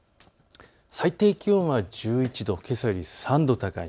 最低気温は１１度、けさより３度高い。